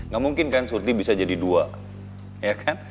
gak mungkin kan surdi bisa jadi dua ya kan